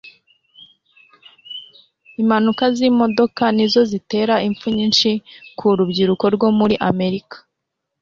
Impanuka zimodoka nizo zitera impfu nyinshi ku rubyiruko rwo muri Amerika